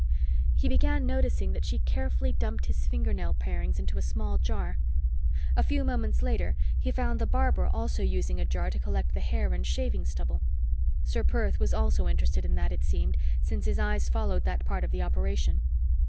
He began noticing that she carefully dumped his fingernail parings into a small jar. A few moments later, he found the barber also using a jar to collect the hair and shaving stubble. Ser Perth was also interested in that, it seemed, since his eyes followed that part of the operation.